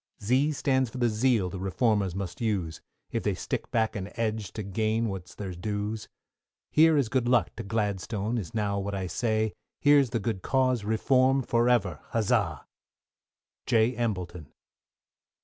=Z= stands for the Zeal the Reformers must use, If they stick back and edge to gain what's their dues. Here is good luck to Gladstone, is now what I say, Here's the good cause Reform, for ever, huzza! J. EMBLETON.